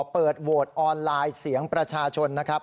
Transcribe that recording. เปิดโหวตออนไลน์เสียงประชาชนนะครับ